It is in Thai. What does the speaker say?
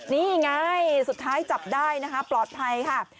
นี่ไงสุดท้ายจับได้นะคะปลอดภัยค่ะ